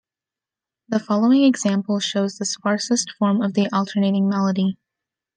The following example shows the sparsest form of the alternating melody.